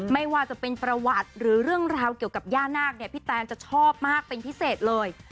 ไม่ว่าจะเป็นประวัติหรือเรื่องราวเกี่ยวกับย่านาคเนี่ยพี่แตนจะชอบมากเป็นพิเศษเลย